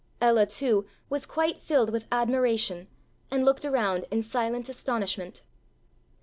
Ella, too, was quite filled with admiration, and looked around in silent astonishment.